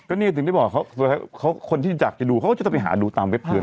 ก็นี่ถึงได้บอกคนที่จากจะดูเขาก็จะไปหาดูตามเว็บเตือน